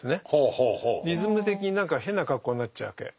リズム的に何か変な格好になっちゃうわけ。